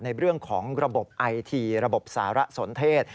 ในเรื่องของระบบไอทีระบบสารสนเทศ